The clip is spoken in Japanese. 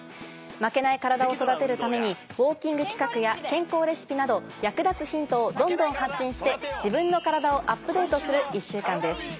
負けないカラダを育てるためにウオーキング企画や健康レシピなど役立つヒントをどんどん発信して自分の体をアップデートする一週間です。